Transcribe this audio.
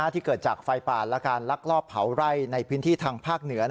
ที่เกิดจากไฟป่าและการลักลอบเผาไร่ในพื้นที่ทางภาคเหนือ